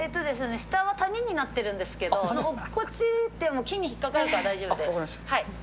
下は谷になってるんですけど、落っこちても木に引っ掛かるから大丈夫です。